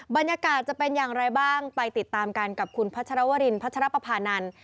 บรรยากาศจะเป็นอย่างไรบ้างไปติดตามกันกับคุณพัชรวรินพัชรปภานันทร์